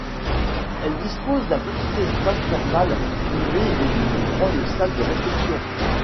Elle dispose d'un petit espace thermal privé et d'une grande salle de réception.